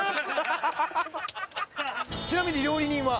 ちなみに料理人は？